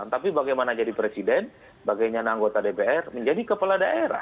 tapi bagaimana jadi presiden bagaimana anggota dpr menjadi kepala daerah